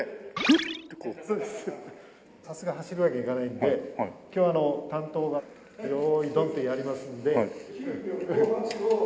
さすがに走るわけにはいかないんで今日は担当が「よーいドン」ってやりますので。